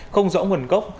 không rõ nguồn gốc